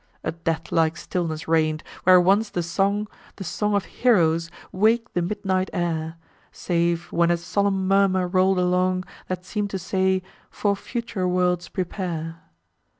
A death like stillness reign'd, where once the song, The song of heroes, wak'd the midnight air, Save, when a solemn murmur roll'd along, That seem'd to say—"for future worlds prepare."